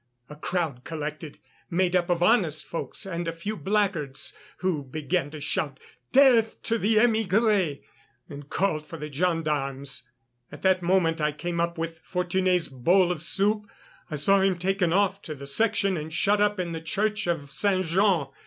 A crowd collected, made up of honest folks and a few blackguards, who began to shout "Death to the émigré!" and called for the gendarmes. At that moment I came up with Fortuné's bowl of soup. I saw him taken off to the Section and shut up in the church of Saint Jean.